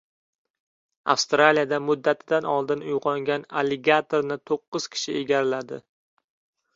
Avstraliyada muddatidan oldin uyg‘ongan alligatorni to‘qqiz kishi egarladi